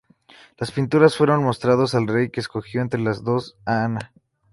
Las pinturas fueron mostrados al rey que escogió, entre las dos a Ana.